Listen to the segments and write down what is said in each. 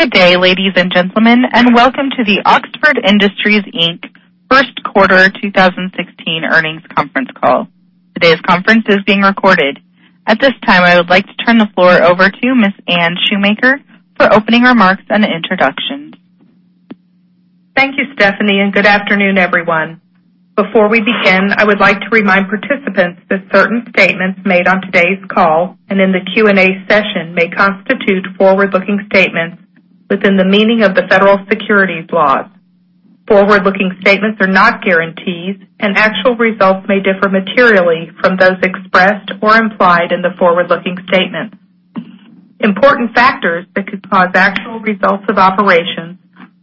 Good day, ladies and gentlemen, and welcome to the Oxford Industries, Inc. First Quarter 2016 Earnings Conference Call. Today's conference is being recorded. At this time, I would like to turn the floor over to Ms. Anne Shoemaker for opening remarks and introductions. Thank you, Stephanie, good afternoon, everyone. Before we begin, I would like to remind participants that certain statements made on today's call in the Q&A session may constitute forward-looking statements within the meaning of the federal securities laws. Forward-looking statements are not guarantees, actual results may differ materially from those expressed or implied in the forward-looking statements. Important factors that could cause actual results of operations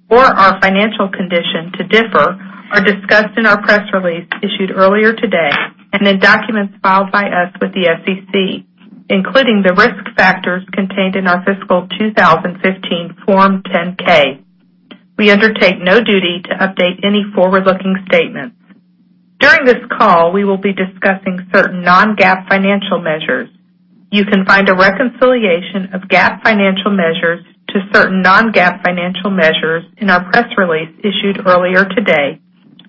or our financial condition to differ are discussed in our press release issued earlier today and in documents filed by us with the SEC, including the risk factors contained in our fiscal 2015 Form 10-K. We undertake no duty to update any forward-looking statements. During this call, we will be discussing certain non-GAAP financial measures. You can find a reconciliation of GAAP financial measures to certain non-GAAP financial measures in our press release issued earlier today,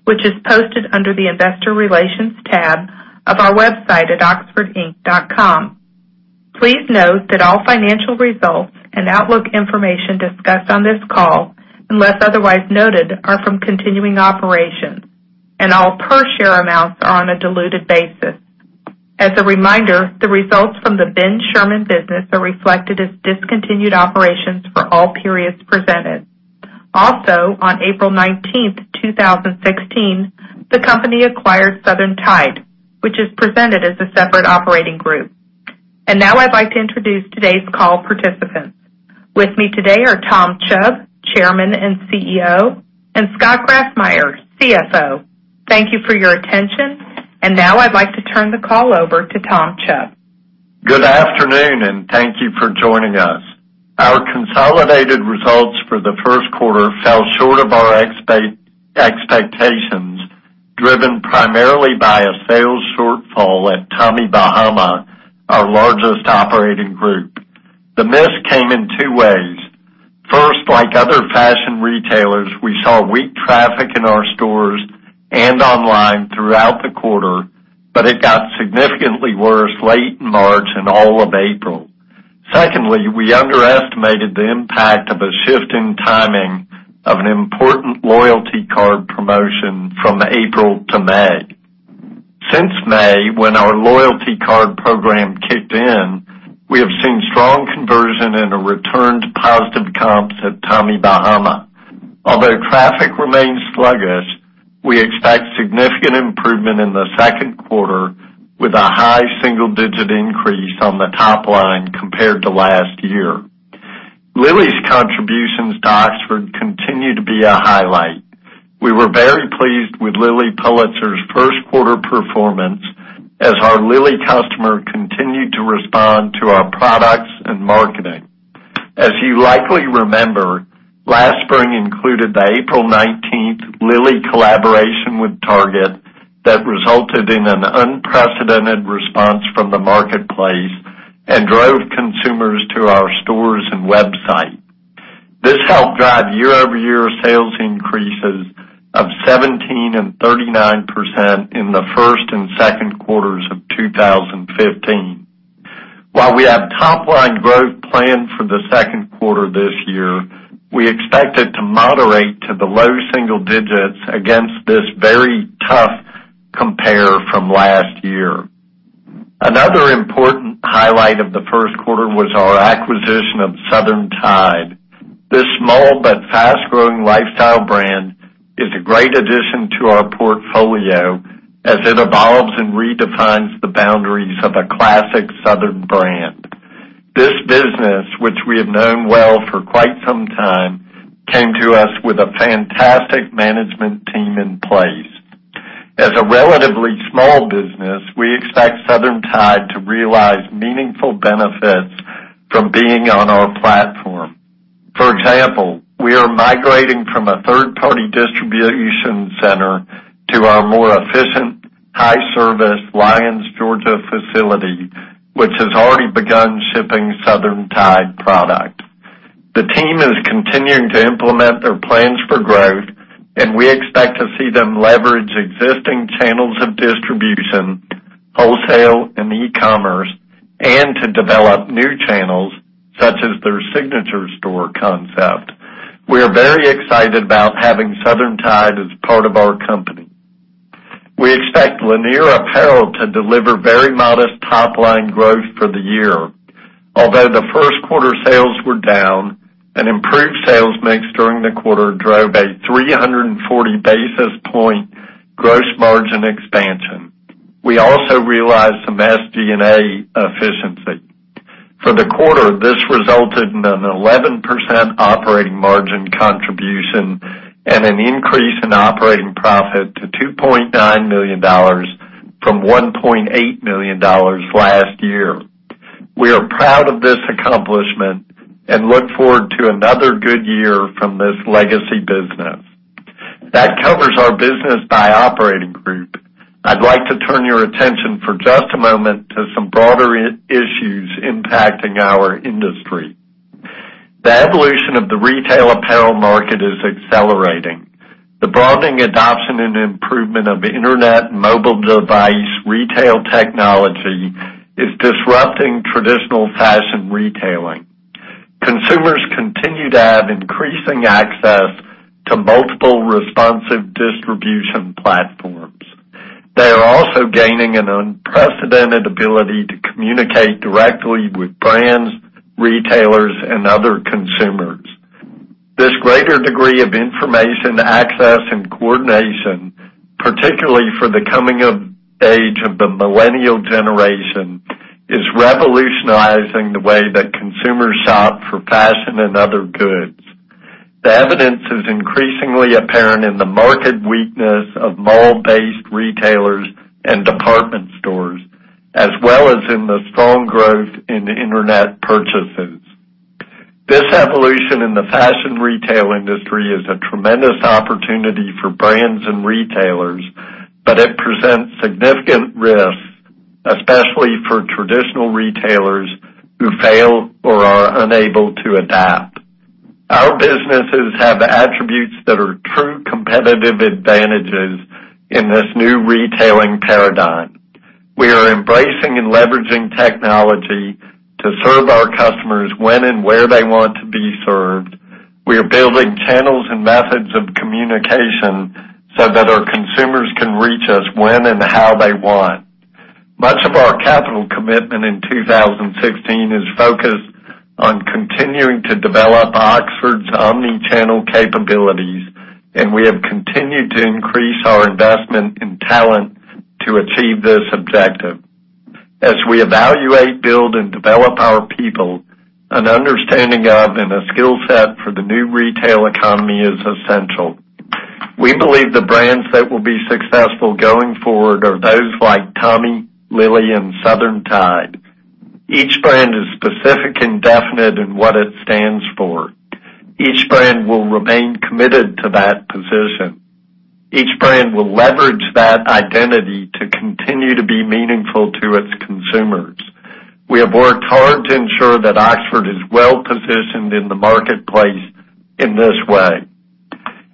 which is posted under the investor relations tab of our website at oxfordinc.com. Please note that all financial results and outlook information discussed on this call, unless otherwise noted, are from continuing operations, all per share amounts are on a diluted basis. As a reminder, the results from the Ben Sherman business are reflected as discontinued operations for all periods presented. Also, on April 19, 2016, the company acquired Southern Tide, which is presented as a separate operating group. Now I'd like to introduce today's call participants. With me today are Tom Chubb, Chairman and CEO, and Scott Grassmyer, CFO. Thank you for your attention. Now I'd like to turn the call over to Tom Chubb. Good afternoon, thank you for joining us. Our consolidated results for the first quarter fell short of our expectations, driven primarily by a sales shortfall at Tommy Bahama, our largest operating group. The miss came in two ways. First, like other fashion retailers, we saw weak traffic in our stores and online throughout the quarter, it got significantly worse late in March and all of April. Secondly, we underestimated the impact of a shift in timing of an important loyalty card promotion from April to May. Since May, when our loyalty card program kicked in, we have seen strong conversion and a return to positive comps at Tommy Bahama. Traffic remains sluggish, we expect significant improvement in the second quarter with a high single-digit increase on the top line compared to last year. Lilly's contributions to Oxford continue to be a highlight. We were very pleased with Lilly Pulitzer's first quarter performance as our Lilly customer continued to respond to our products and marketing. As you likely remember, last spring included the April 19th Lilly collaboration with Target that resulted in an unprecedented response from the marketplace and drove consumers to our stores and website. This helped drive year-over-year sales increases of 17% and 39% in the first and second quarters of 2015. While we have top line growth planned for the second quarter this year, we expect it to moderate to the low single digits against this very tough compare from last year. Another important highlight of the first quarter was our acquisition of Southern Tide. This small but fast-growing lifestyle brand is a great addition to our portfolio as it evolves and redefines the boundaries of a classic Southern brand. This business, which we have known well for quite some time, came to us with a fantastic management team in place. As a relatively small business, we expect Southern Tide to realize meaningful benefits from being on our platform. For example, we are migrating from a third-party distribution center to our more efficient high service Lyons, Georgia facility, which has already begun shipping Southern Tide product. The team is continuing to implement their plans for growth, and we expect to see them leverage existing channels of distribution, wholesale, and e-commerce, and to develop new channels such as their signature store concept. We are very excited about having Southern Tide as part of our company. We expect Lanier Apparel to deliver very modest top-line growth for the year. Although the first quarter sales were down, an improved sales mix during the quarter drove a 340 basis point gross margin expansion. We also realized some SG&A efficiency. For the quarter, this resulted in an 11% operating margin contribution and an increase in operating profit to $2.9 million from $1.8 million last year. We are proud of this accomplishment and look forward to another good year from this legacy business. That covers our business by operating group. I'd like to turn your attention for just a moment to some broader issues impacting our industry. The evolution of the retail apparel market is accelerating. The broadening adoption and improvement of internet mobile device retail technology is disrupting traditional fashion retailing. Consumers continue to have increasing access to multiple responsive distribution platforms. They are also gaining an unprecedented ability to communicate directly with brands, retailers, and other consumers. This greater degree of information access and coordination, particularly for the coming of age of the millennial generation, is revolutionizing the way that consumers shop for fashion and other goods. The evidence is increasingly apparent in the market weakness of mall-based retailers and department stores, as well as in the strong growth in internet purchases. This evolution in the fashion retail industry is a tremendous opportunity for brands and retailers, but it presents significant risks, especially for traditional retailers who fail or are unable to adapt. Our businesses have attributes that are true competitive advantages in this new retailing paradigm. We are embracing and leveraging technology to serve our customers when and where they want to be served. We are building channels and methods of communication so that our consumers can reach us when and how they want. Much of our capital commitment in 2016 is focused on continuing to develop Oxford's omni-channel capabilities, and we have continued to increase our investment in talent to achieve this objective. As we evaluate, build, and develop our people, an understanding of and a skill set for the new retail economy is essential. We believe the brands that will be successful going forward are those like Tommy, Lilly, and Southern Tide. Each brand is specific and definite in what it stands for. Each brand will remain committed to that position. Each brand will leverage that identity to continue to be meaningful to its consumers. We have worked hard to ensure that Oxford is well-positioned in the marketplace in this way.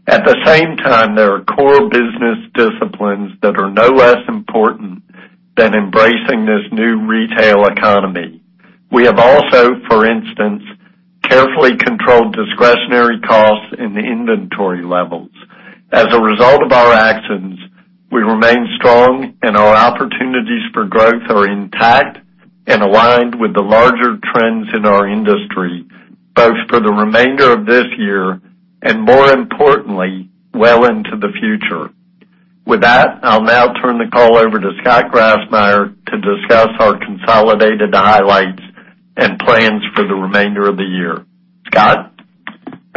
At the same time, there are core business disciplines that are no less important than embracing this new retail economy. We have also, for instance, carefully controlled discretionary costs and inventory levels. As a result of our actions, we remain strong, and our opportunities for growth are intact and aligned with the larger trends in our industry, both for the remainder of this year, and more importantly, well into the future. With that, I'll now turn the call over to Scott Grassmyer to discuss our consolidated highlights and plans for the remainder of the year. Scott?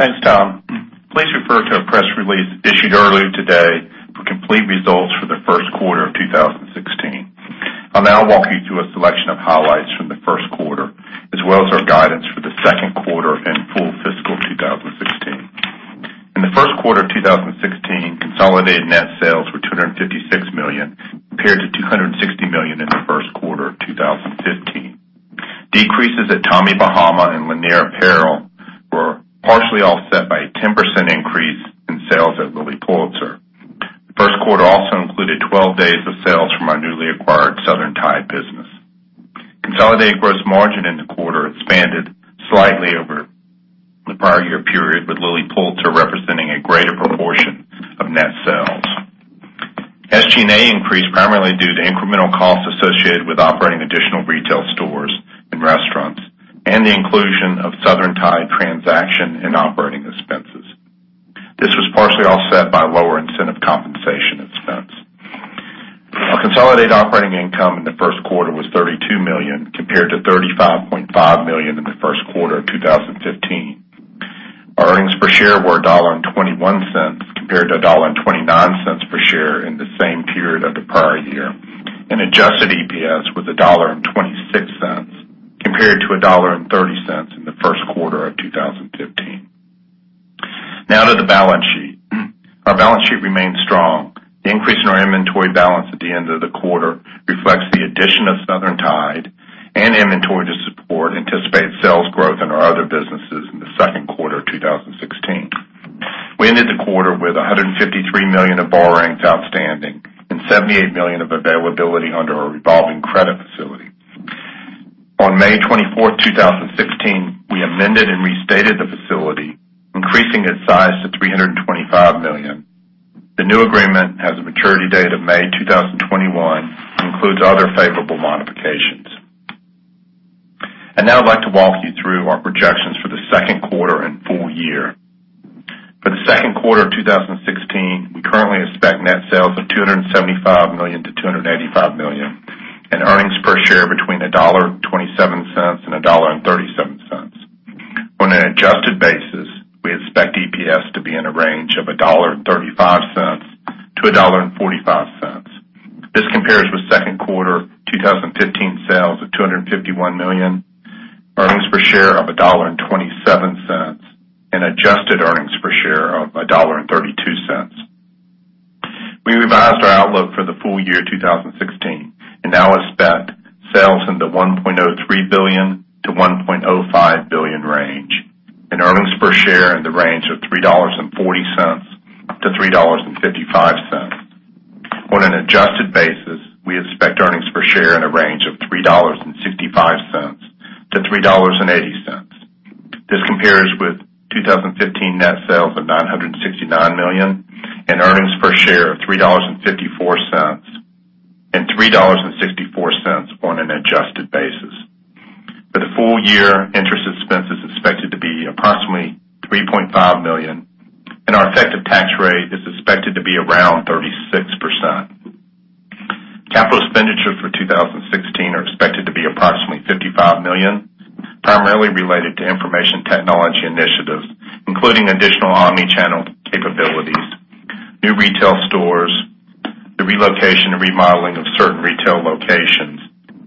Thanks, Tom. Please refer to a press release issued earlier today for complete results for the first quarter of 2016. I'll now walk you through a selection of highlights from the first quarter, as well as our guidance for the second quarter and full fiscal 2016. In the first quarter of 2016, consolidated net sales were $256 million, compared to $260 million in the first quarter of 2015. Decreases at Tommy Bahama and Lanier Apparel were partially offset by a 10% increase in sales at Lilly Pulitzer. The first quarter also included 12 days of sales from our newly acquired Southern Tide business. Consolidated gross margin in the quarter expanded slightly over the prior year period, with Lilly Pulitzer representing a greater proportion of net sales. SG&A increased primarily due to incremental costs associated with operating additional retail stores and restaurants and the inclusion of Southern Tide transaction and operating expenses. This was partially offset by lower incentive compensation expense. Our consolidated operating income in the first quarter was $32 million, compared to $35.5 million in the first quarter of 2015. Our earnings per share were $1.21 compared to $1.29 per share in the same period of the prior year. Adjusted EPS was $1.26 compared to $1.30 in the first quarter of 2015. Now to the balance sheet. Our balance sheet remains strong. The increase in our inventory balance at the end of the quarter reflects the addition of Southern Tide and inventory to support anticipated sales growth in our other businesses in the second quarter 2016. We ended the quarter with $153 million of borrowings outstanding and $78 million of availability under our revolving credit facility. On May 24, 2016, we amended and restated the facility, increasing its size to $325 million. The new agreement has a maturity date of May 2021 and includes other favorable modifications. Now I'd like to walk you through our projections for the second quarter and full year. For the second quarter of 2016, we currently expect net sales of $275 million-$285 million and earnings per share between $1.27 and $1.37. On an adjusted basis, we expect EPS to be in a range of $1.35-$1.45. This compares with second quarter 2015 sales of $251 million, per share of $1.27 and adjusted earnings per share of $1.32. We revised our outlook for the full year 2016. Now expect sales in the $1.03 billion-$1.05 billion range, and earnings per share in the range of $3.40-$3.55. On an adjusted basis, we expect earnings per share in a range of $3.65-$3.80. This compares with 2015 net sales of $969 million and earnings per share of $3.54 and $3.64 on an adjusted basis. For the full year, interest expense is expected to be approximately $3.5 million, and our effective tax rate is expected to be around 36%. Capital expenditure for 2016 are expected to be approximately $55 million, primarily related to information technology initiatives, including additional omni-channel capabilities, new retail stores, the relocation and remodeling of certain retail locations,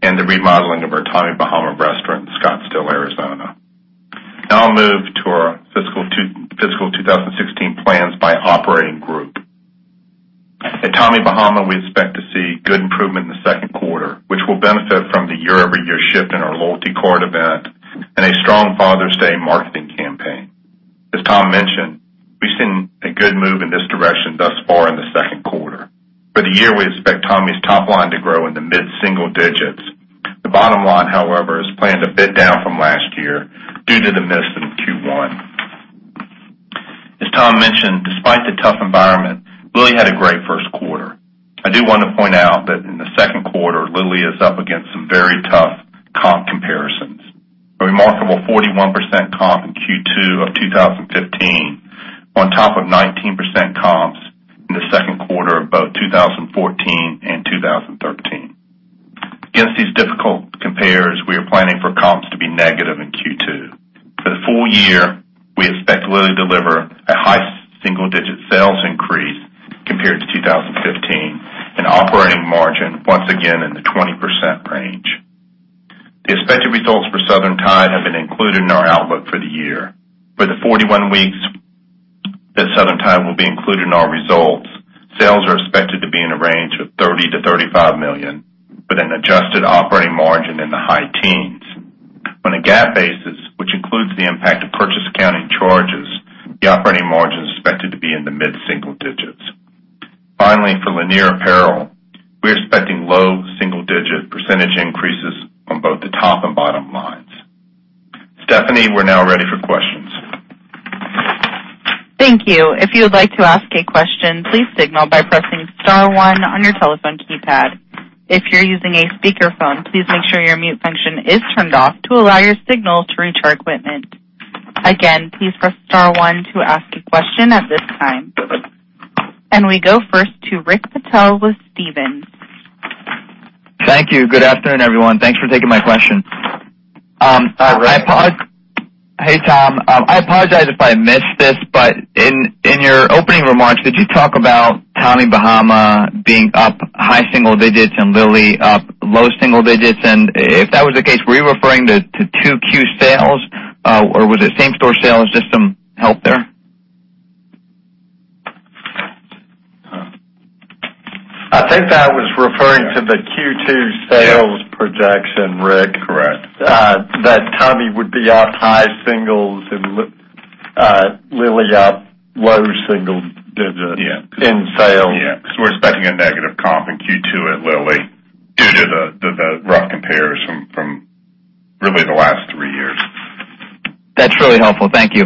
and the remodeling of our Tommy Bahama restaurant in Scottsdale, Arizona. Now I'll move to our fiscal 2016 plans by operating group. At Tommy Bahama, we expect to see good improvement in the second quarter, which will benefit from the year-over-year shift in our loyalty card event and a strong Father's Day marketing campaign. As Tom mentioned, we've seen a good move in this direction thus far in the second quarter. For the year, we expect Tommy's top line to grow in the mid-single digits. The bottom line, however, is planned a bit down from last year due to the miss in Q1. As Tom mentioned, despite the tough environment, Lilly had a great first quarter. I do want to point out that in the second quarter, Lilly is up against some very tough comp comparisons. A remarkable 41% comp in Q2 of 2015, on top of 19% comps in the second quarter of both 2014 and 2013. Against these difficult compares, we are planning for comps to be negative in Q2. For the full year, we expect Lilly to deliver a high single-digit sales increase compared to 2015, and operating margin once again in the 20% range. The expected results for Southern Tide have been included in our outlook for the year. For the 41 weeks that Southern Tide will be included in our results, sales are expected to be in a range of $30 million-$35 million, with an adjusted operating margin in the high teens. On a GAAP basis, which includes the impact of purchase accounting charges, the operating margin is expected to be in the mid-single digits. Finally, for Lanier Apparel, we're expecting low single-digit percentage increases on both the top and bottom lines. Stephanie, we're now ready for questions. Thank you. If you would like to ask a question, please signal by pressing *1 on your telephone keypad. If you're using a speakerphone, please make sure your mute function is turned off to allow your signal to reach our equipment. Again, please press *1 to ask a question at this time. We go first to Rick Patel with Stephens. Thank you. Good afternoon, everyone. Thanks for taking my question. Hi, Rick. Hey, Tom. I apologize if I missed this, but in your opening remarks, did you talk about Tommy Bahama being up high single digits and Lilly up low single digits? If that was the case, were you referring to 2Q sales, or was it same-store sales, just some help there? I think that was referring to the Q2 sales projection, Rick. Correct. That Tommy would be up high singles and Lilly up low single digits in sales. Yeah, because we're expecting a negative comp in Q2 at Lilly due to the rough compares from really the last three years. That's really helpful. Thank you.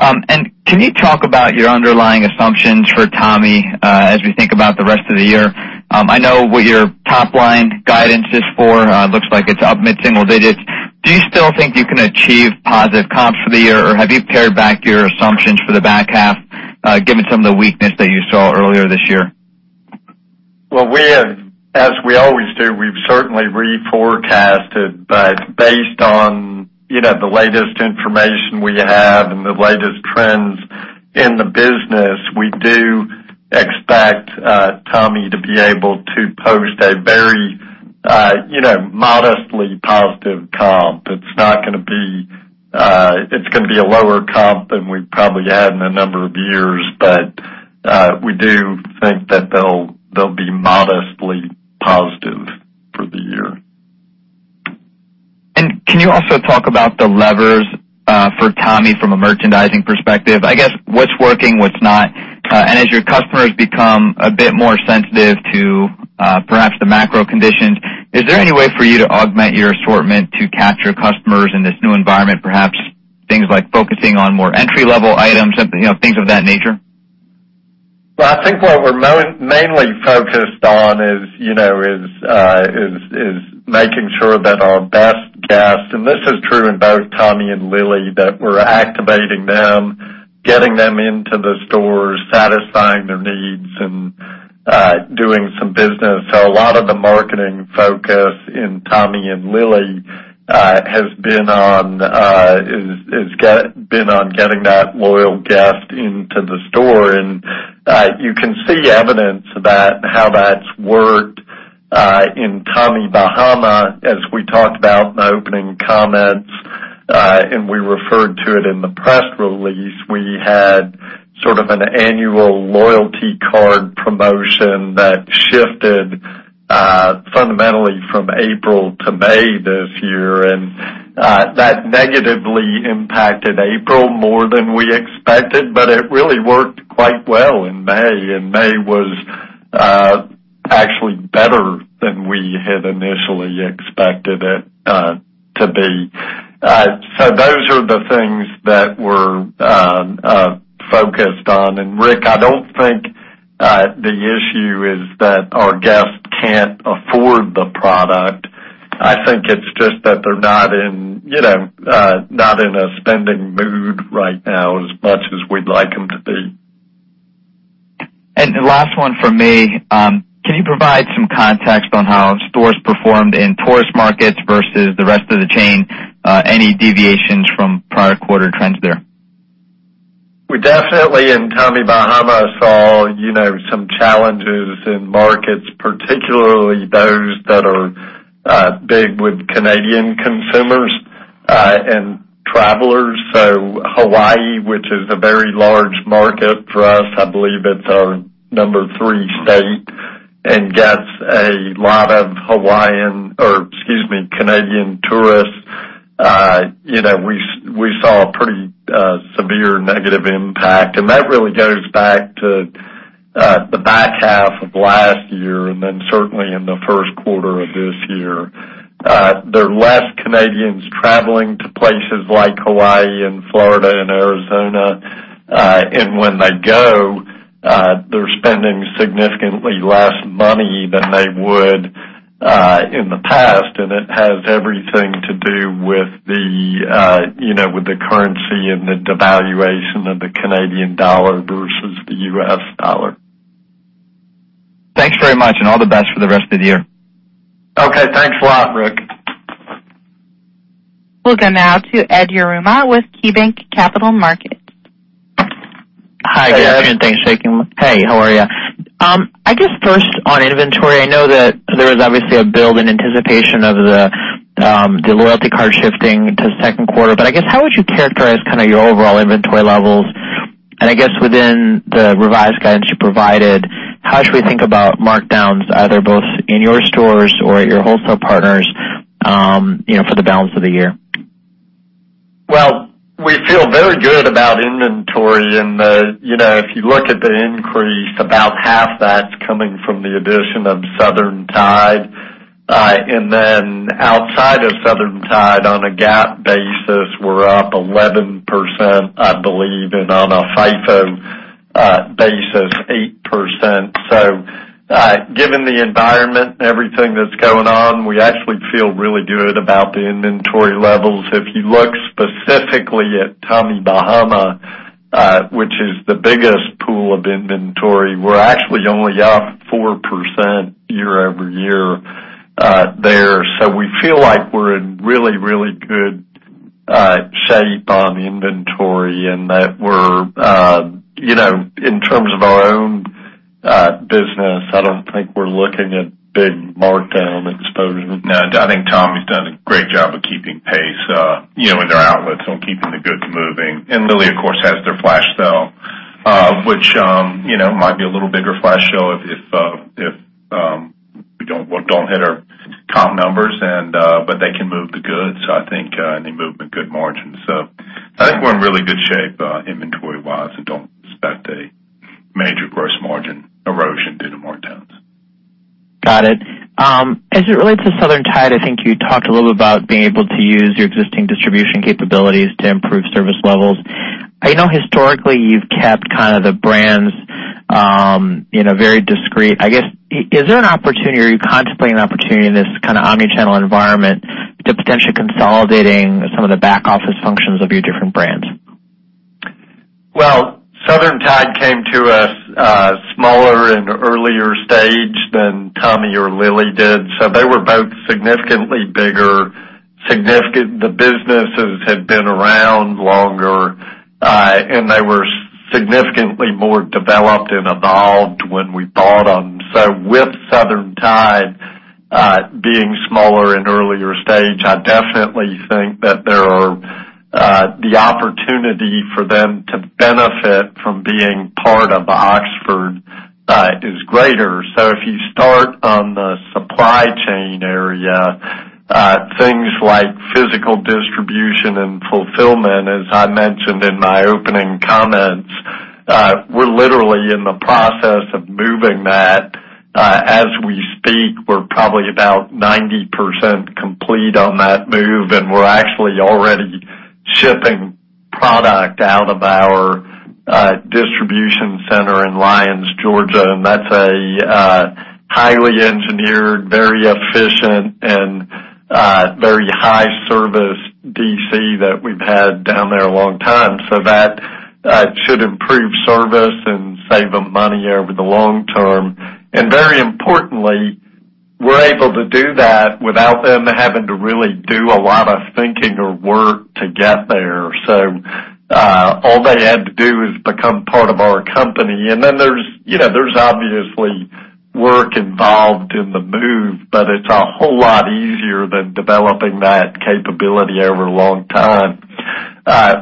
Can you talk about your underlying assumptions for Tommy, as we think about the rest of the year? I know what your top-line guidance is for. It looks like it's up mid-single digits. Do you still think you can achieve positive comps for the year, or have you pared back your assumptions for the back half, given some of the weakness that you saw earlier this year? As we always do, we've certainly reforecast it. Based on the latest information we have and the latest trends in the business, we do expect Tommy to be able to post a very modestly positive comp. It's going to be a lower comp than we've probably had in a number of years, but we do think that they'll be modestly positive for the year. Can you also talk about the levers for Tommy from a merchandising perspective? I guess what's working, what's not. As your customers become a bit more sensitive to perhaps the macro conditions, is there any way for you to augment your assortment to capture customers in this new environment? Perhaps things like focusing on more entry-level items, things of that nature. I think what we're mainly focused on is making sure that our best guest, and this is true in both Tommy and Lilly, that we're activating them, getting them into the stores, satisfying their needs, and doing some business. A lot of the marketing focus in Tommy and Lilly has been on getting that loyal guest into the store. You can see evidence of that, how that's worked. In Tommy Bahama, as we talked about in the opening comments, and we referred to it in the press release, we had sort of an annual loyalty card promotion that shifted fundamentally from April to May this year. That negatively impacted April more than we expected, but it really worked quite well in May, and May was actually better than we had initially expected it to be. Those are the things that we're focused on. Rick, I don't think the issue is that our guests can't afford the product. I think it's just that they're not in a spending mood right now as much as we'd like them to be. The last one from me. Can you provide some context on how stores performed in tourist markets versus the rest of the chain? Any deviations from prior quarter trends there? We definitely, in Tommy Bahama, saw some challenges in markets, particularly those that are big with Canadian consumers and travelers. Hawaii, which is a very large market for us, I believe it's our number 3 state, and gets a lot of Canadian tourists. We saw a pretty severe negative impact, and that really goes back to the back half of last year, then certainly in the first quarter of this year. There are less Canadians traveling to places like Hawaii and Florida and Arizona. When they go, they're spending significantly less money than they would in the past. It has everything to do with the currency and the devaluation of the Canadian dollar versus the U.S. dollar. Thanks very much, and all the best for the rest of the year. Okay. Thanks a lot, Rick. We'll go now to Ed Yruma with KeyBanc Capital Markets. Hi, good afternoon. Thanks for taking. Hey Ed. Hey, how are you? I guess first on inventory, I know that there was obviously a build in anticipation of the loyalty card shifting to the second quarter, but I guess, how would you characterize your overall inventory levels? I guess within the revised guidance you provided, how should we think about markdowns, either both in your stores or at your wholesale partners for the balance of the year? Well, we feel very good about inventory and if you look at the increase, about half that's coming from the addition of Southern Tide. Outside of Southern Tide, on a GAAP basis, we're up 11%, I believe, and on a FIFO basis, 8%. Given the environment and everything that's going on, we actually feel really good about the inventory levels. If you look specifically at Tommy Bahama, which is the biggest pool of inventory, we're actually only up 4% year-over-year there. We feel like we're in really, really good shape on inventory. In terms of our own business, I don't think we're looking at big markdown exposure. No, I think Tommy's done a great job of keeping pace in their outlets on keeping the goods moving. Lilly, of course, has their flash sale, which might be a little bigger flash sale if we don't hit our comp numbers, but they can move the goods, I think, and they move them at good margins. I think we're in really good shape inventory-wise and don't expect a major gross margin erosion due to markdowns. Got it. As it relates to Southern Tide, I think you talked a little bit about being able to use your existing distribution capabilities to improve service levels. I know historically you've kept the brands very discreet. I guess, is there an opportunity or are you contemplating an opportunity in this omni-channel environment to potentially consolidating some of the back office functions of your different brands? Well, Southern Tide came to us smaller in earlier stage than Tommy or Lilly did. They were both significantly bigger. The businesses had been around longer, and they were significantly more developed and evolved when we bought them. With Southern Tide being smaller and earlier stage, I definitely think that there are the opportunity for them to benefit from being part of Oxford is greater. If you start on the supply chain area, things like physical distribution and fulfillment, as I mentioned in my opening comments, we're literally in the process of moving that. As we speak, we're probably about 90% complete on that move, and we're actually already shipping product out of our distribution center in Lyons, Georgia. That's a highly engineered, very efficient, and very high service DC that we've had down there a long time. That should improve service and save them money over the long term. Very importantly, without them having to really do a lot of thinking or work to get there. All they had to do is become part of our company. There's obviously work involved in the move, but it's a whole lot easier than developing that capability over a long time.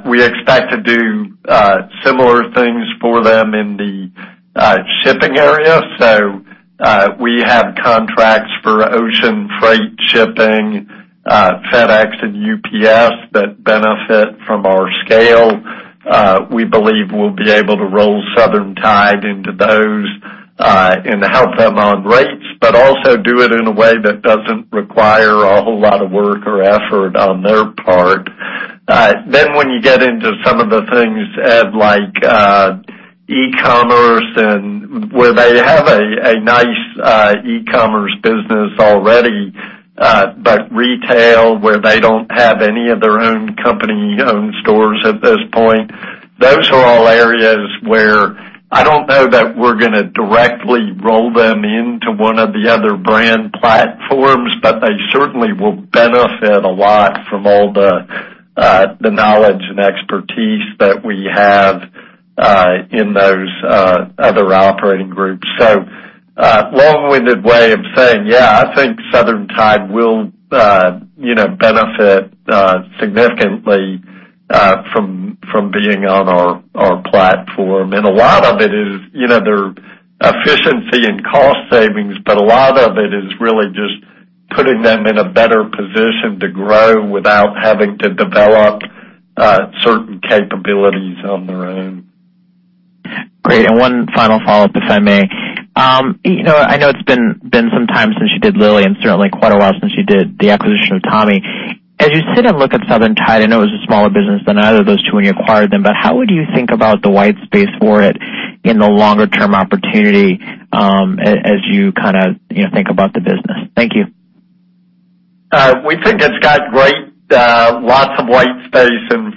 We expect to do similar things for them in the shipping area. We have contracts for ocean freight shipping, FedEx, and UPS that benefit from our scale. We believe we'll be able to roll Southern Tide into those, and help them on rates, but also do it in a way that doesn't require a whole lot of work or effort on their part. When you get into some of the things, Ed, like e-commerce and where they have a nice e-commerce business already, but retail, where they don't have any of their own company-owned stores at this point. Those are all areas where I don't know that we're going to directly roll them into one of the other brand platforms, but they certainly will benefit a lot from all the knowledge and expertise that we have in those other operating groups. A long-winded way of saying, yeah, I think Southern Tide will benefit significantly from being on our platform. A lot of it is their efficiency and cost savings, but a lot of it is really just putting them in a better position to grow without having to develop certain capabilities on their own. Great. One final follow-up, if I may. I know it's been some time since you did Lilly and certainly quite a while since you did the acquisition of Tommy. As you sit and look at Southern Tide, I know it was a smaller business than either of those two when you acquired them, but how would you think about the white space for it in the longer-term opportunity as you think about the business? Thank you. We think it's got lots of white space in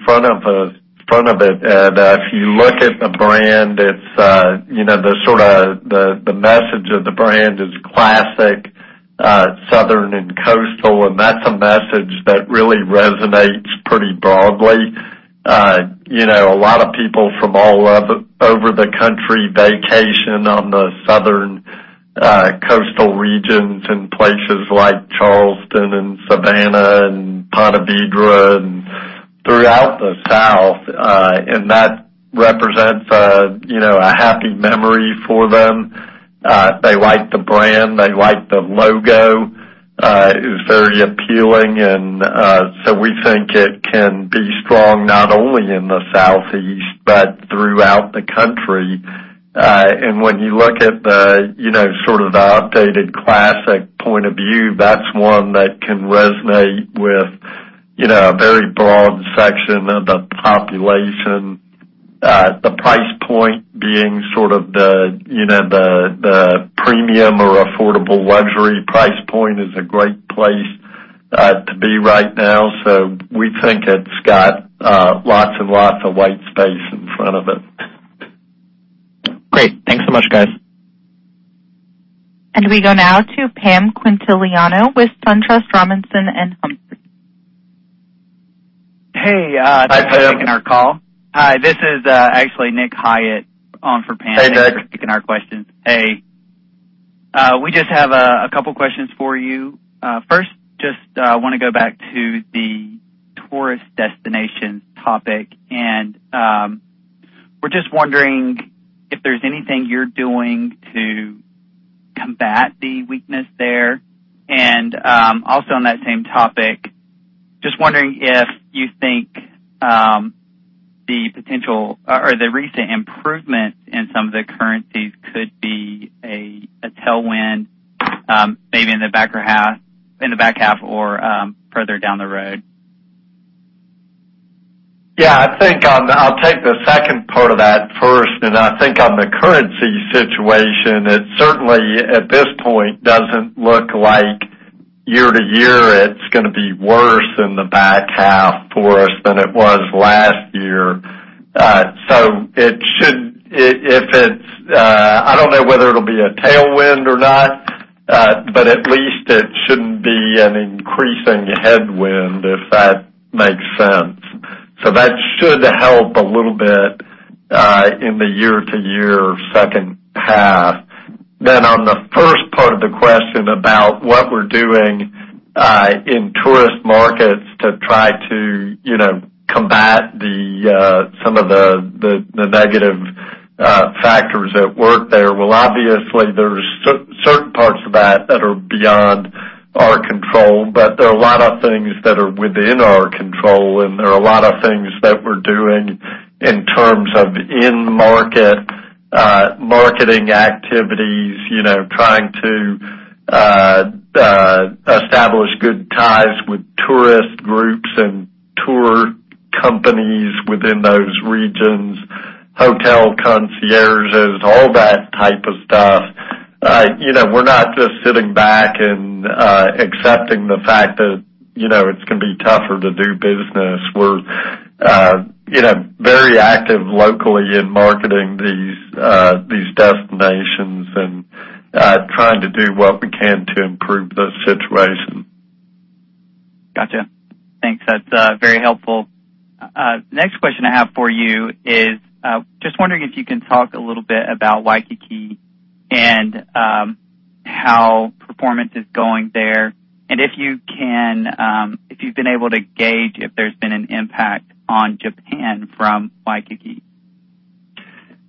front of it. If you look at the brand, the message of the brand is classic Southern and Coastal, that's a message that really resonates pretty broadly. A lot of people from all over the country vacation on the Southern coastal regions in places like Charleston and Savannah and Ponte Vedra and throughout the South, that represents a happy memory for them. They like the brand. They like the logo. It's very appealing, we think it can be strong, not only in the Southeast but throughout the country. When you look at the updated classic point of view, that's one that can resonate with a very broad section of the population. The price point being the premium or affordable luxury price point is a great place to be right now. We think it's got lots and lots of white space in front of it. Great. Thanks so much, guys. We go now to Pam Quintiliano with SunTrust Robinson Humphrey. Hey. Hi, Pam. Thanks for taking our call. Hi, this is actually Nick Hiatt on for Pam. Hey, Nick. Thanks for taking our questions. Hey. We just have a two questions for you. First, just want to go back to the tourist destinations topic, we're just wondering if there's anything you're doing to combat the weakness there. Also on that same topic, just wondering if you think the potential or the recent improvement in some of the currencies could be a tailwind, maybe in the back half or further down the road. I'll take the second part of that first, I think on the currency situation, it certainly, at this point, doesn't look like year-to-year it's going to be worse in the back half for us than it was last year. I don't know whether it'll be a tailwind or not, at least it shouldn't be an increasing headwind, if that makes sense. That should help a little bit in the year-to-year second half. On the first part of the question about what we're doing in tourist markets to try to combat some of the negative factors at work there. Obviously, there's certain parts of that that are beyond our control. There are a lot of things that are within our control. There are a lot of things that we're doing in terms of in-market marketing activities, trying to establish good ties with tourist groups and tour companies within those regions, hotel concierges, all that type of stuff. We're not just sitting back and accepting the fact that it's going to be tougher to do business. We are very active locally in marketing these destinations and trying to do what we can to improve the situation. Got you. Thanks. That's very helpful. Next question I have for you is, just wondering if you can talk a little bit about Waikiki and how performance is going there. If you've been able to gauge if there's been an impact on Japan from Waikiki.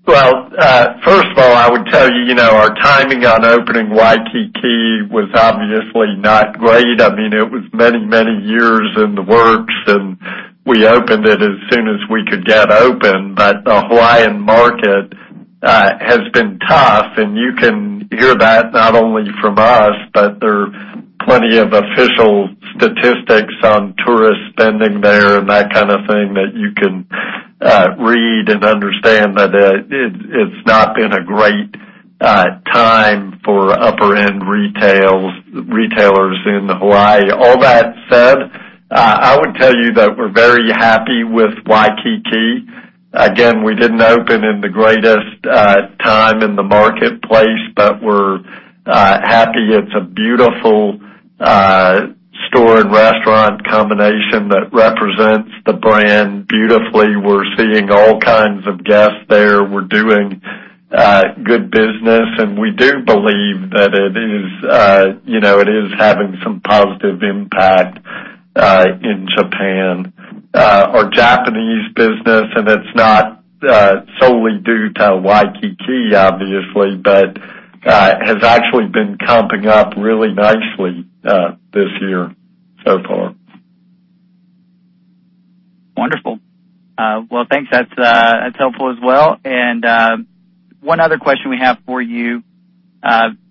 First of all, I would tell you, our timing on opening Waikiki was obviously not great. It was many years in the works, and we opened it as soon as we could get open. The Hawaiian market has been tough, and you can hear that not only from us, but there are plenty of official statistics on tourist spending there and that kind of thing that you can read and understand that it's not been a great time for upper-end retailers in Hawaii. All that said, I would tell you that we're very happy with Waikiki. Again, we didn't open in the greatest time in the marketplace, but we're happy. It's a beautiful store and restaurant combination that represents the brand beautifully. We're seeing all kinds of guests there. We're doing good business, and we do believe that it is having some positive impact in Japan. Our Japanese business, and it's not solely due to Waikiki, obviously, but has actually been comping up really nicely this year so far. Wonderful. Well, thanks. That's helpful as well. One other question we have for you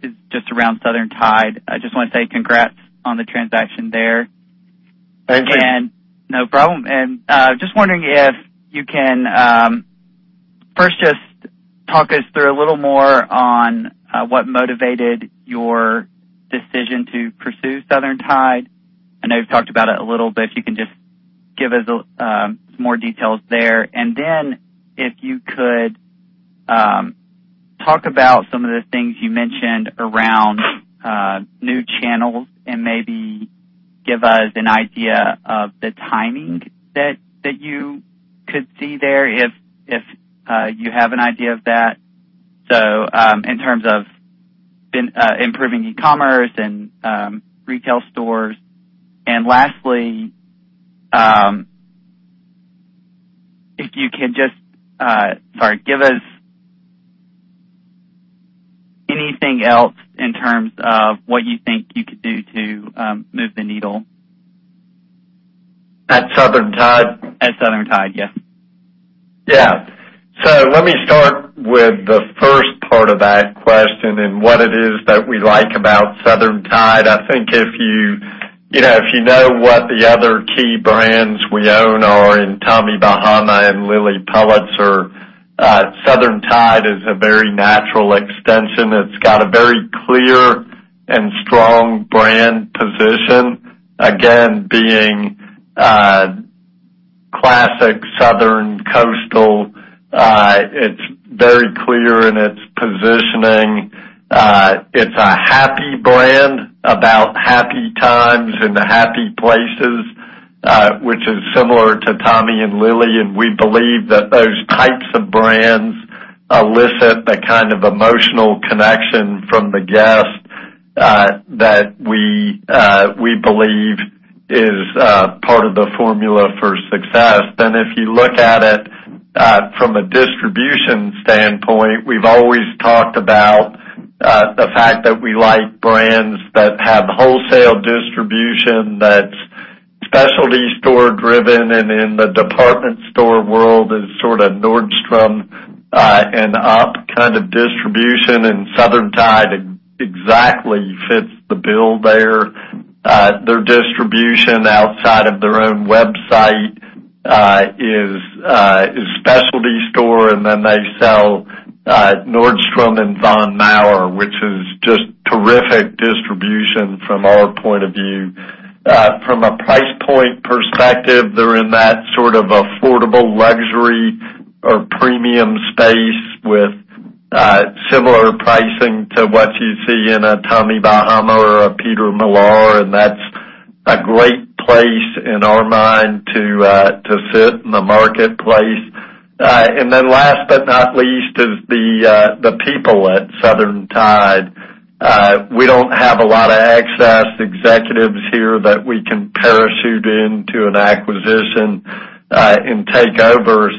is just around Southern Tide. I just want to say congrats on the transaction there. Thank you. No problem. Just wondering if you can first just talk us through a little more on what motivated your decision to pursue Southern Tide. I know you've talked about it a little, but if you can just give us more details there. Then if you could talk about some of the things you mentioned around new channels and maybe give us an idea of the timing that you could see there, if you have an idea of that. In terms of improving e-commerce and retail stores. Lastly, if you can just give us anything else in terms of what you think you could do to move the needle. At Southern Tide? At Southern Tide, yeah. Yeah. Let me start with the first part of that question and what it is that we like about Southern Tide. I think if you know what the other key brands we own are in Tommy Bahama and Lilly Pulitzer, Southern Tide is a very natural extension. It's got a very clear and strong brand position, again, being classic Southern coastal. It's very clear in its positioning. It's a happy brand about happy times and happy places, which is similar to Tommy and Lilly, and we believe that those types of brands elicit the kind of emotional connection from the guest that we believe is part of the formula for success. If you look at it from a distribution standpoint, we've always talked about the fact that we like brands that have wholesale distribution that's specialty store driven and in the department store world is sort of Nordstrom and up kind of distribution, and Southern Tide exactly fits the bill there. Their distribution outside of their own website is specialty store, and then they sell Nordstrom and Von Maur, which is just terrific distribution from our point of view. From a price point perspective, they're in that sort of affordable luxury or premium space with similar pricing to what you see in a Tommy Bahama or a Peter Millar, and that's a great place in our mind to sit in the marketplace. Last but not least is the people at Southern Tide. We don't have a lot of excess executives here that we can parachute into an acquisition and take over.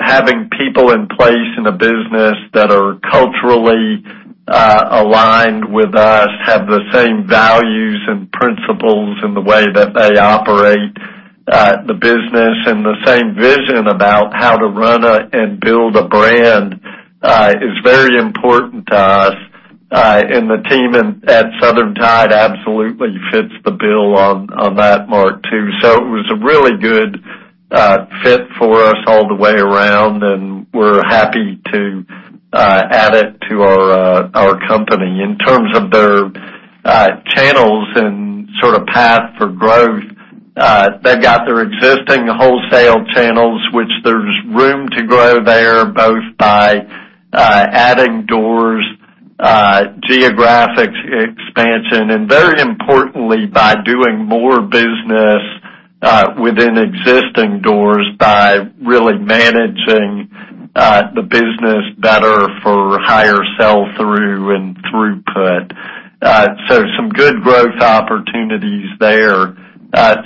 Having people in place in a business that are culturally aligned with us, have the same values and principles in the way that they operate the business, and the same vision about how to run and build a brand is very important to us. The team at Southern Tide absolutely fits the bill on that mark too. It was a really good fit for us all the way around, and we're happy to add it to our company. In terms of their channels and sort of path for growth, they've got their existing wholesale channels, which there's room to grow there, both by adding doors, geographic expansion, and very importantly, by doing more business within existing doors, by really managing the business better for higher sell-through and throughput. Some good growth opportunities there.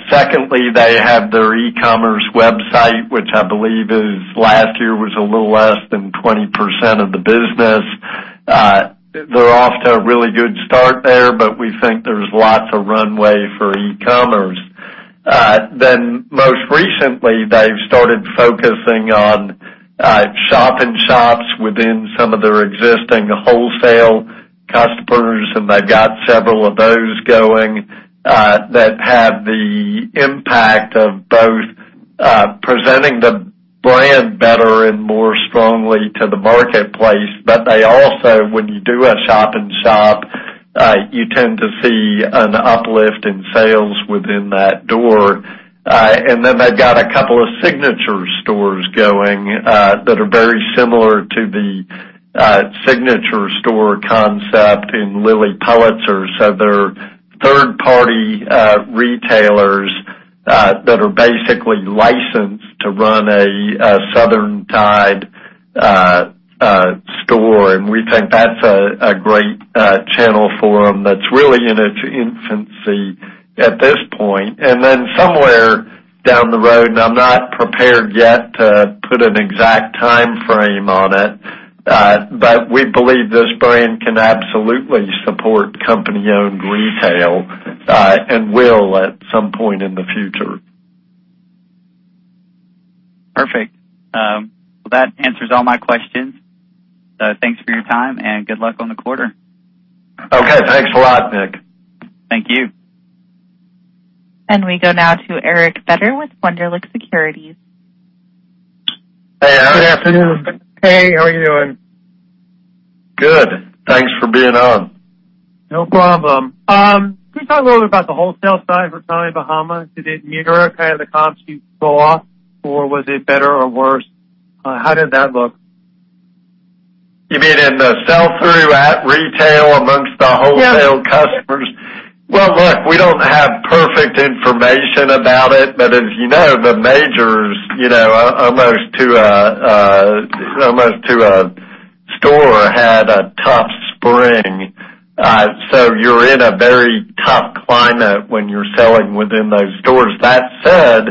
Secondly, they have their e-commerce website, which I believe last year was a little less than 20% of the business. They're off to a really good start there, but we think there's lots of runway for e-commerce. Most recently, they've started focusing on shop-in-shops within some of their existing wholesale customers, and they've got several of those going, that have the impact of both presenting the brand better and more strongly to the marketplace. They also, when you do a shop-in-shop, you tend to see an uplift in sales within that door. They've got a couple of signature stores going, that are very similar to the signature store concept in Lilly Pulitzer. They're third-party retailers that are basically licensed to run a Southern Tide store, and we think that's a great channel for them that's really in its infancy at this point. Somewhere down the road, and I'm not prepared yet to put an exact timeframe on it, but we believe this brand can absolutely support company-owned retail, and will at some point in the future. Perfect. Well, that answers all my questions. Thanks for your time and good luck on the quarter. Okay, thanks a lot, Nick. Thank you. We go now to Eric Fedor with Wunderlich Securities. Hey, Eric. Good afternoon. Hey, how are you doing? Good. Thanks for being on. No problem. Can you talk a little bit about the wholesale side for Tommy Bahama? Did it mirror kind of the comps you saw, or was it better or worse? How did that look? You mean in the sell-through at retail amongst the wholesale customers? Yes. Well, look, we don't have perfect information about it, as you know, the majors, almost to a store, had a tough spring. You're in a very tough climate when you're selling within those stores. That said,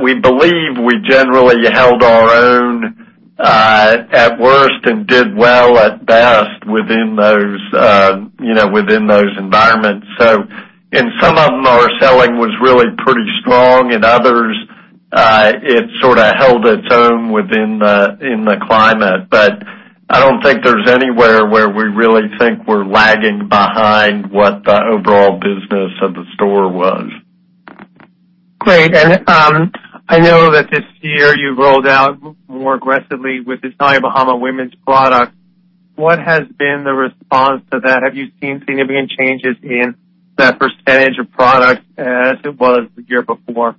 we believe we generally held our own at worst and did well at best within those environments. In some of them, our selling was really pretty strong. In others, it sort of held its own within the climate. I don't think there's anywhere where we really think we're lagging behind what the overall business of the store was. Great. I know that this year you've rolled out more aggressively with the Tommy Bahama women's product. What has been the response to that? Have you seen significant changes in that percentage of product as it was the year before?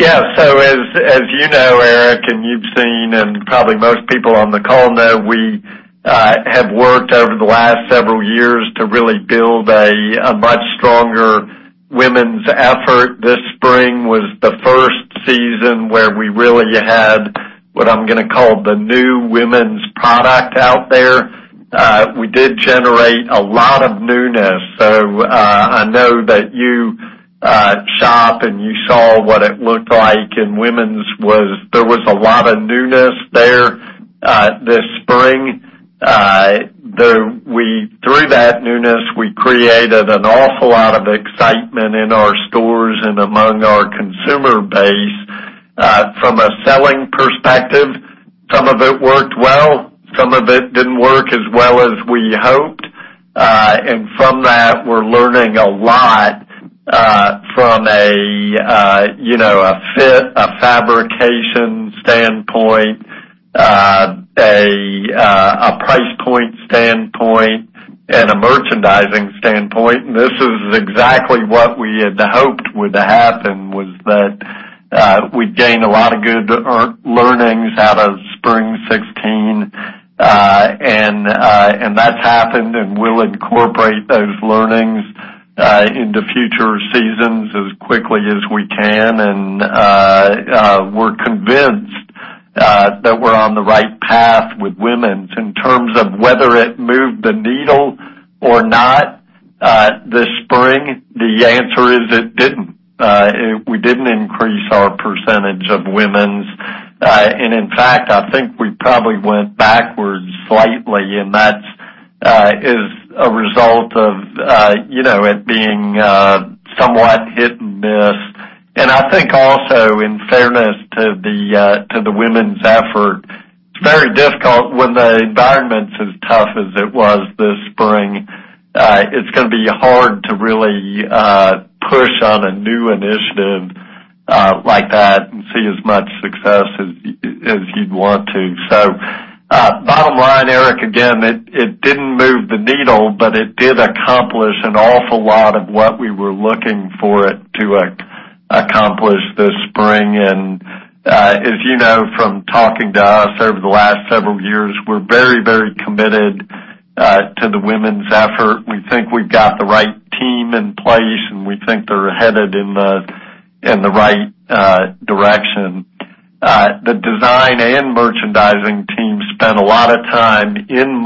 Yeah. As you know, Eric, you've seen, and probably most people on the call know, we have worked over the last several years to really build a much stronger women's effort. This spring was the first season where we really had what I'm going to call the new women's product out there. We did generate a lot of newness. I know that you shop and you saw what it looked like in women's was there was a lot of newness there this spring. Through that newness, we created an awful lot of excitement in our stores and among our consumer base. From a selling perspective, some of it worked well, some of it didn't work as well as we hoped. From that, we're learning a lot, from a fit, a fabrication standpoint, a price point standpoint, and a merchandising standpoint. This is exactly what we had hoped would happen, was that we'd gain a lot of good learnings out of spring 2016. That's happened, and we'll incorporate those learnings into future seasons as quickly as we can. We're convinced that we're on the right path with women's. In terms of whether it moved the needle or not this spring, the answer is it didn't. We didn't increase our percentage of women's. In fact, I think we probably went backwards slightly, that is a result of it being somewhat hit and miss. I think also, in fairness to the women's effort It's very difficult when the environment's as tough as it was this spring. It's going to be hard to really push on a new initiative like that and see as much success as you'd want to. Bottom line, Eric, again, it didn't move the needle, but it did accomplish an awful lot of what we were looking for it to accomplish this spring. As you know from talking to us over the last several years, we're very committed to the women's effort. We think we've got the right team in place, and we think they're headed in the right direction. The design and merchandising team spent a lot of time in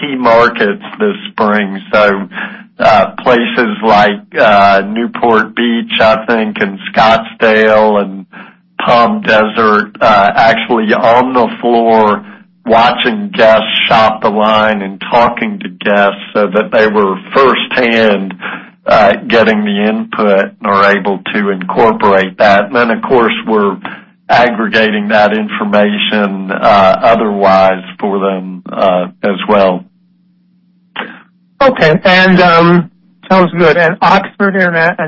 key markets this spring. Places like Newport Beach, I think, and Scottsdale and Palm Desert, actually on the floor, watching guests shop the line and talking to guests so that they were firsthand getting the input and are able to incorporate that. Then, of course, we're aggregating that information otherwise for them as well. Okay. Sounds good. I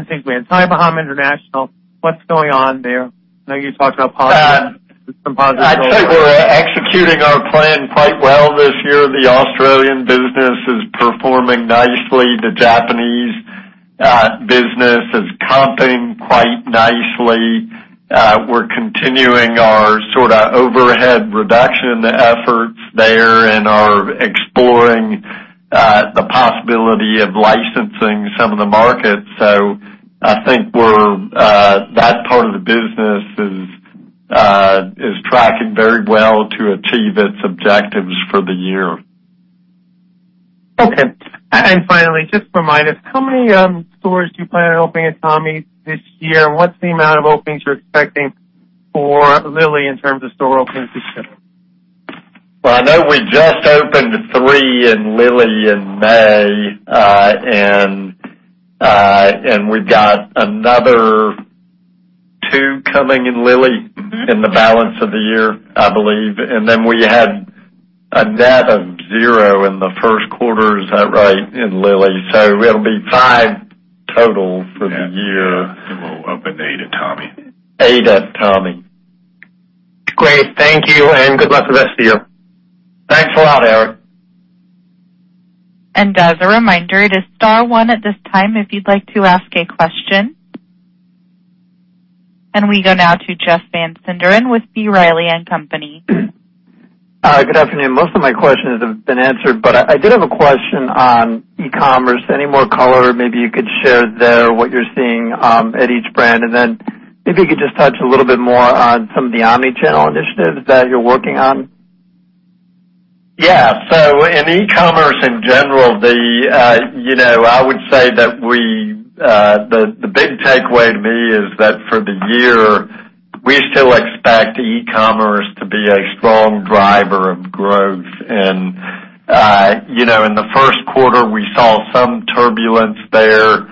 think we had Tommy Bahama International. What's going on there? I'd say we're executing our plan quite well this year. The Australian business is performing nicely. The Japanese business is comping quite nicely. We're continuing our overhead reduction efforts there and are exploring the possibility of licensing some of the markets. I think that part of the business is tracking very well to achieve its objectives for the year. Okay. Finally, just remind us, how many stores do you plan on opening at Tommy this year? And what's the amount of openings you're expecting for Lilly in terms of store openings this year? Well, I know we just opened three in Lilly in May, we've got another two coming in Lilly in the balance of the year, I believe. we had a net of zero in the first quarter, is that right, in Lilly? it'll be five total for the year. we'll open eight at Tommy. Eight at Tommy. Great. Thank you, and good luck the rest of the year. Thanks a lot, Eric. As a reminder, it is star one at this time if you'd like to ask a question. We go now to Jeff Van Sinderen with B. Riley & Co. Good afternoon. Most of my questions have been answered, but I did have a question on e-commerce. Any more color maybe you could share there, what you're seeing at each brand? Then maybe you could just touch a little bit more on some of the omni-channel initiatives that you're working on. Yeah. In e-commerce in general, I would say that the big takeaway to me is that for the year, we still expect e-commerce to be a strong driver of growth. In the first quarter, we saw some turbulence there.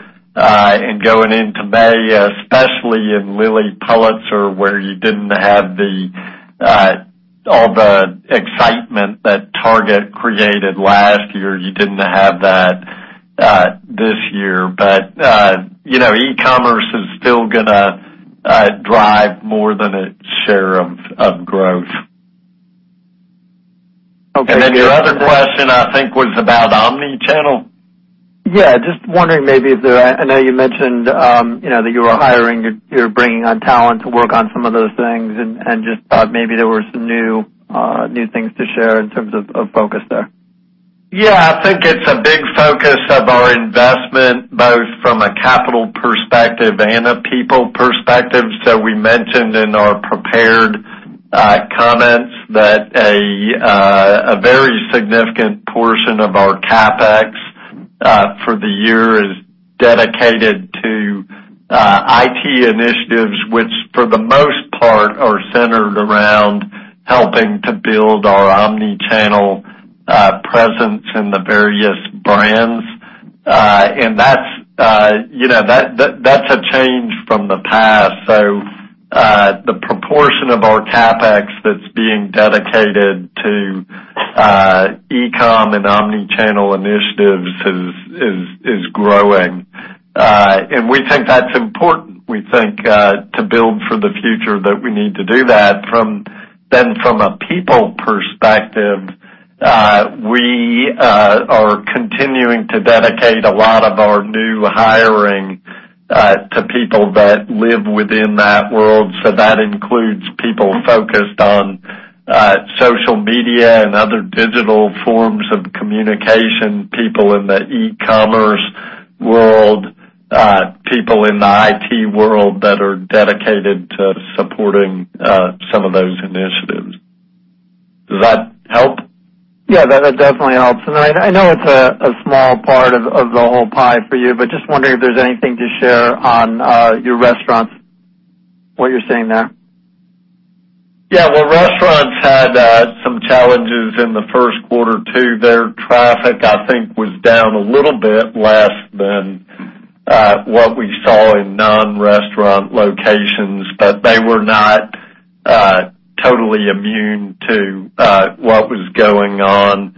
Going into May, especially in Lilly Pulitzer, where you didn't have all the excitement that Target created last year, you didn't have that this year. E-commerce is still going to drive more than its share of growth. Okay. Your other question, I think, was about omni-channel? Just wondering maybe I know you mentioned that you were hiring, you're bringing on talent to work on some of those things, and just thought maybe there were some new things to share in terms of focus there. I think it's a big focus of our investment, both from a capital perspective and a people perspective. We mentioned in our prepared comments that a very significant portion of our CapEx for the year is dedicated to IT initiatives, which for the most part, are centered around helping to build our omni-channel presence in the various brands. That's a change from the past. The proportion of our CapEx that's being dedicated to e-com and omni-channel initiatives is growing. We think that's important. We think to build for the future that we need to do that. From a people perspective, we are continuing to dedicate a lot of our new hiring to people that live within that world. That includes people focused on social media and other digital forms of communication, people in the e-commerce world, people in the IT world that are dedicated to supporting some of those initiatives. Does that help? Yeah, that definitely helps. I know it's a small part of the whole pie for you, but just wondering if there's anything to share on your restaurants, what you're seeing there. Yeah. Well, restaurants had some challenges in the first quarter, too. Their traffic, I think, was down a little bit less than what we saw in non-restaurant locations. They were not totally immune to what was going on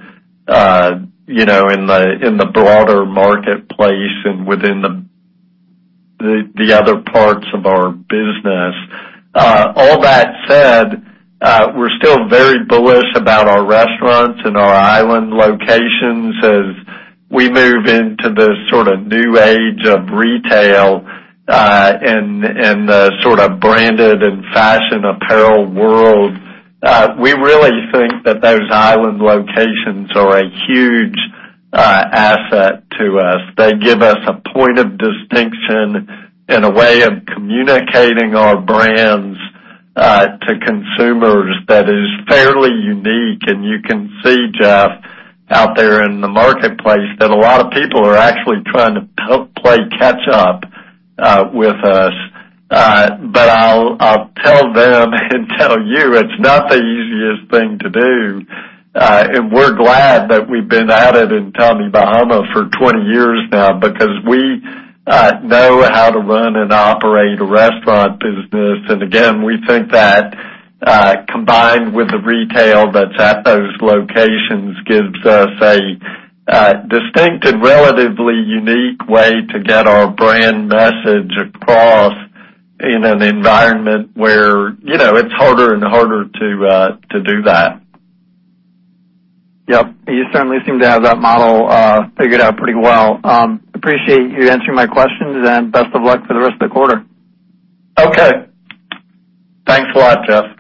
in the broader marketplace and within the other parts of our business. All that said, we're still very bullish about our restaurants and our island locations as we move into the new age of retail and the branded and fashion apparel world. We really think that those island locations are a huge asset to us. They give us a point of distinction and a way of communicating our brands to consumers that is fairly unique. You can see, Jeff, out there in the marketplace that a lot of people are actually trying to play catch up with us. I'll tell them and tell you it's not the easiest thing to do. We're glad that we've been at it in Tommy Bahama for 20 years now because we know how to run and operate a restaurant business. Again, we think that combined with the retail that's at those locations gives us a distinct and relatively unique way to get our brand message across in an environment where it's harder and harder to do that. Yep. You certainly seem to have that model figured out pretty well. Appreciate you answering my questions, and best of luck for the rest of the quarter. Okay. Thanks a lot, Jeff.